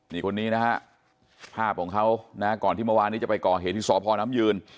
นี่คนนี้นะฮะภาพของเขานะก่อนที่เมื่อวานนี้จะไปก่อเหตุที่สพน้ำยืน